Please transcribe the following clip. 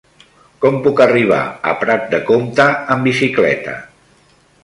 Com puc arribar a Prat de Comte amb bicicleta?